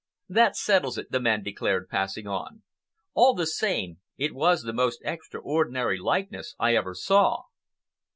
"That settles it," the man declared, passing on. "All the same, it was the most extraordinary likeness I ever saw."